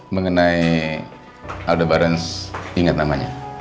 mengenai aldebaran ingat namanya